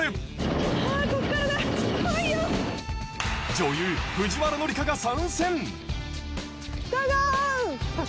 女優藤原紀香が参戦。